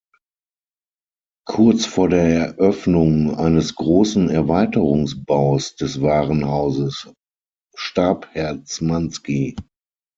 Kurz vor der Eröffnung eines großen Erweiterungsbaus des Warenhauses starb Herzmansky.